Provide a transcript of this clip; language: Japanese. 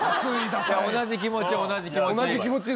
同じ気持ち同じ気持ち。